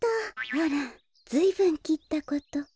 あらずいぶんきったこと。